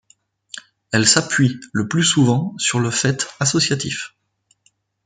Elle s'appuie le plus souvent sur le fait associatif.